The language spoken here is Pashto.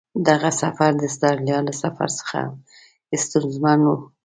دغه سفر د استرالیا له سفر څخه هم ستونزمن و.